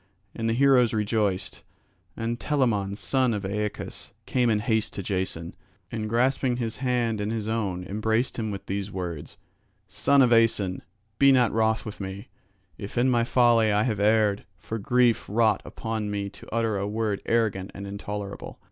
And the heroes rejoiced, and Telamon son of Aeacus came in haste to Jason, and grasping his hand in his own embraced him with these words: "Son of Aeson, be not wroth with me, if in my folly I have erred, for grief wrought upon me to utter a word arrogant and intolerable.